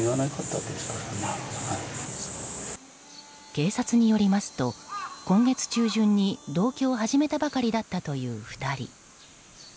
警察によりますと、今月中旬に同居を始めたばかりだったという２人。